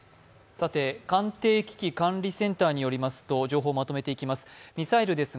官邸危機管理センターによりますと、情報をまとめていきます。